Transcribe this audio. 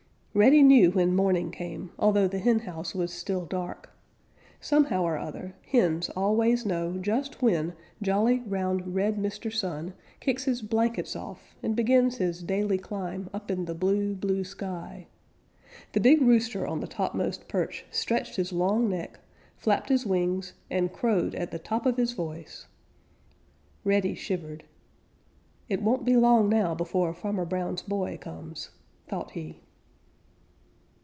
Reddy knew when morning came, although the henhouse was still dark. Somehow or other hens always know just when jolly, round, red Mr. Sun kicks his blankets off and begins his daily climb up in the blue, blue sky. The big rooster on the topmost perch stretched his long neck, flapped his wings, and crowed at the top of his voice. Reddy shivered. "It won't be long now before Farmer Brown's boy comes," thought he.